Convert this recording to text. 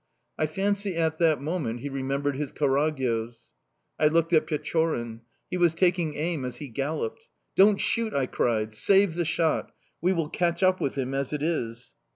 I fancy at that moment he remembered his Karagyoz! "I looked at Pechorin. He was taking aim as he galloped... "'Don't shoot,' I cried. 'Save the shot! We will catch up with him as it is.